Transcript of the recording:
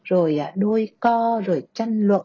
rồi đôi co rồi tranh luận